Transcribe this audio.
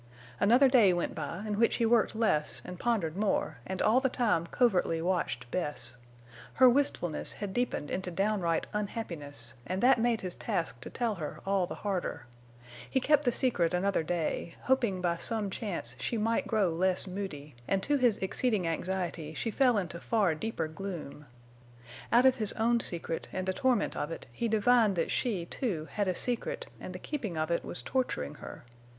Another day went by, in which he worked less and pondered more and all the time covertly watched Bess. Her wistfulness had deepened into downright unhappiness, and that made his task to tell her all the harder. He kept the secret another day, hoping by some chance she might grow less moody, and to his exceeding anxiety she fell into far deeper gloom. Out of his own secret and the torment of it he divined that she, too, had a secret and the keeping of it was torturing her.